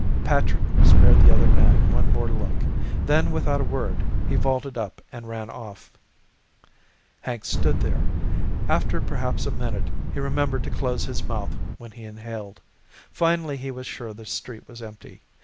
Patrick spared the other man one more look. Then, without a word, he vaulted up and ran off. Hank stood there. After perhaps a half minute he remembered to close his mouth when he inhaled. Finally he was sure the street was empty.